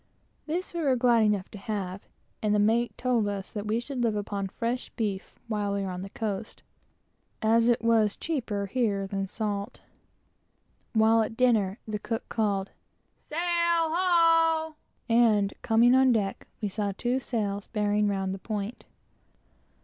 This we were glad enough to have, and the mate told us that we should live upon fresh beef while we were on the coast, as it was cheaper here than the salt. While at dinner, the cook called, "Sail ho!" and coming on deck, we saw two sails coming round the point.